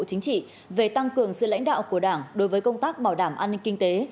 chính trị về tăng cường sự lãnh đạo của đảng đối với công tác bảo đảm an ninh kinh tế